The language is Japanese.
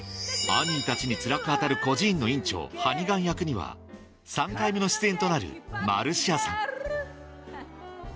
アニーたちにつらく当たる孤児院の院長ハニガン役には３回目の出演となるマルシアさん